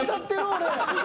俺。